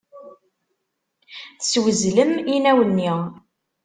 Teswezlem inaw-nni.